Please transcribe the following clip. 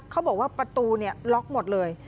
เขาบอกว่าประตูล็อกหมดเลย